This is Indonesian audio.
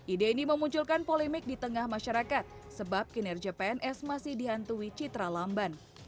ide ini memunculkan polemik di tengah masyarakat sebab kinerja pns masih dihantui citra lamban